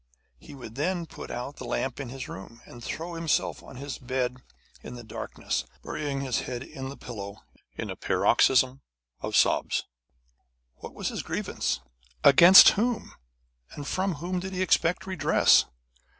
He would then put out the lamp in his room, and throw himself on his bed in the darkness, burying his head in the pillow in a paroxysm of sobs. What was his grievance? Against whom? And from whom did he expect redress?